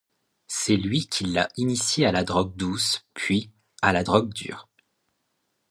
C'est lui qui l'a initiée à la drogue douce, puis à la drogue dure.